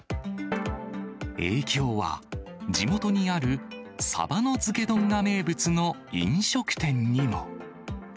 影響は、地元にあるサバの漬け丼が名物の飲食店にも。